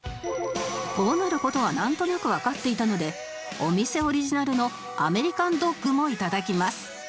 こうなる事はなんとなくわかっていたのでお店オリジナルのアメリカンドッグも頂きます